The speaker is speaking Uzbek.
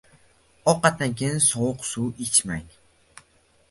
Ovqatdan keyin sovuq suv ichmang.